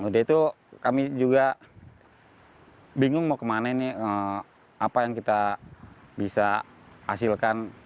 dia itu kami juga bingung mau kemana ini apa yang kita bisa hasilkan